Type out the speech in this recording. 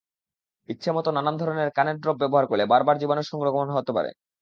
ইচ্ছেমতো নানান ধরনের কানের ড্রপ ব্যবহার করলে বারবার জীবাণুর সংক্রমণ হতে পারে।